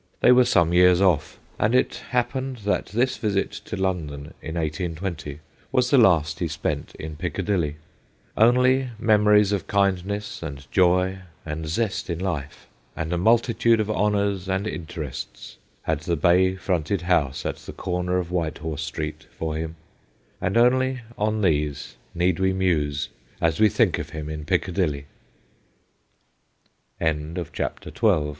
They were some years off, and it happened that this visit to London in 1820 was the last he spent in Piccadilly. Only memories of kindness and joy, and zest in life, and a multitude of honours and interests, had the bay fronted house at the corner of White horse Street for him, and only on these need we muse as